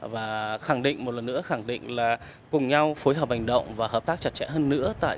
và khẳng định một lần nữa khẳng định là cùng nhau phối hợp hành động và hợp tác chặt chẽ hơn nữa tại